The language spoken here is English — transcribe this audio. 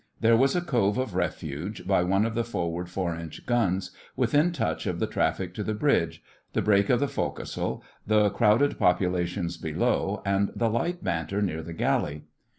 There was a cove of refuge, by one of the forward 4 in. guns, within touch of the traffic to the bridge, the break of the foc'sle, the crowded populations below, and the light banter near the galley.